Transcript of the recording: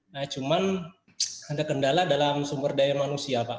nah cuman ada kendala dalam sumber daya manusia pak